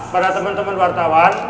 para teman teman wartawan